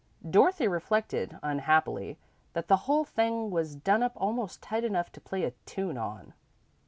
Dorothy reflected, unhappily, that the whole thing was done up almost tight enough to play a tune on.